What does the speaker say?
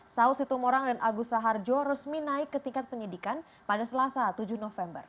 saud situmorang dan agus raharjo resmi naik ke tingkat penyidikan pada selasa tujuh november